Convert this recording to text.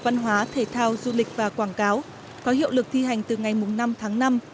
văn hóa thể thao du lịch và quảng cáo có hiệu lực thi hành từ ngày năm tháng năm